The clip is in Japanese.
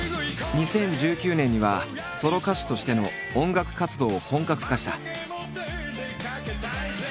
２０１９年にはソロ歌手としての音楽活動を本格化した。